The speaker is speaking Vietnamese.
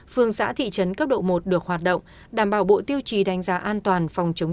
phương xã thị trấn cấp độ một được hoạt động đảm bảo bộ tiêu chí đánh giá an toàn phòng chống